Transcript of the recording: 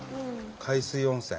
海水温泉。